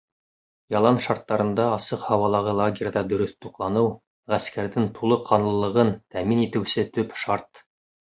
Ялан шарттарында, асыҡ һауалағы лагерҙа дөрөҫ туҡланыу — ғәскәрҙең тулы ҡанлылығын тәьмин итеүсе төп шарт.